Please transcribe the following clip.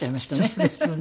そうですよね。